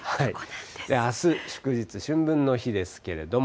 あす祝日、春分の日ですけれども、